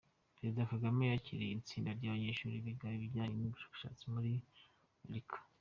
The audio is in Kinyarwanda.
Perezida Kagame yakiriye itsinda ry’ abanyeshuri biga ibijyanye n’ ubushabitsi muri Amerika .